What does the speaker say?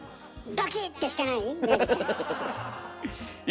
ドキ！ってしてない？